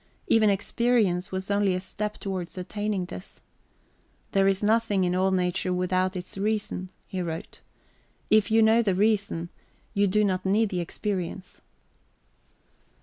Even experience was only a step towards attaining this. "There is nothing in all nature without its reason," he wrote. "If you know the reason, you do not need the experience."